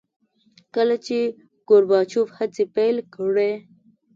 کله چې ګورباچوف هڅې پیل کړې.